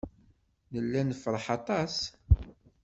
Nella nefṛeḥ aṭas.